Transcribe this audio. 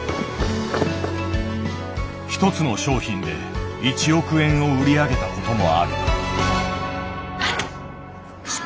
ひとつの商品で１億円を売り上げたこともある。